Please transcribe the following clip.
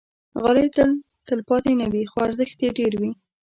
غالۍ تل تلپاتې نه وي، خو ارزښت یې ډېر وي.